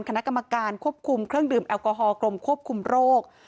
คณะกรรมการควบคุมเครื่องดื่มแอลกอฮอลกรมควบคุมโรค